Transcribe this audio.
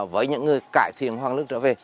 với những người cải thiện hoàng lương trở về